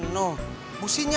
tidak ada alamatnya